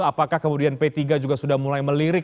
apakah kemudian p tiga juga sudah mulai melirik